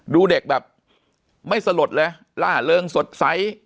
ดูเด็กแบบไม่สลดเลยล่าเริงสดใส